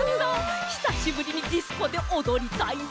ひさしぶりにディスコでおどりたいわ！